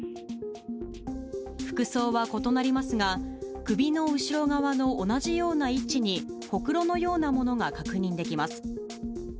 服装は異なりますが、首の後ろ側の同じような位置にほくろのようなものが確認できます。